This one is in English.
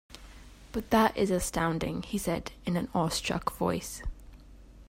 "But that is astounding," he said, in an awe-struck voice.